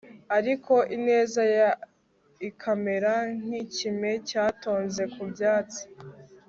ariko ineza ye ikamera nk'ikime cyatonze ku byatsi